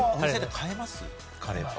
今、買えます？